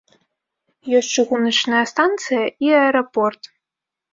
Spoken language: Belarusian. Ёсць чыгуначная станцыя і аэрапорт.